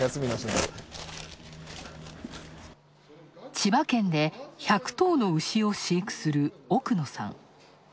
千葉県で１００頭の牛を飼育する奥野さん。